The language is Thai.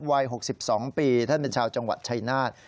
วัย๖๒ปีท่านเป็นชาวจังหวัดชายนาฏ